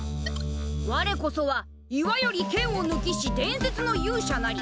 われこそは岩より剣をぬきし伝説の勇者なり！